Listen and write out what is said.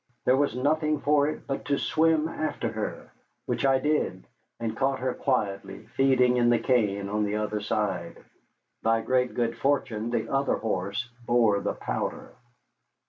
There was nothing for it but to swim after her, which I did, and caught her quietly feeding in the cane on the other side. By great good fortune the other horse bore the powder.